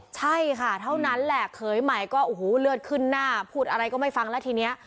ใช่ค่ะเท่านั้นแหละเขยใหม่ก็โอ้โหเลือดขึ้นหน้าพูดอะไรก็ไม่ฟังแล้วทีนี้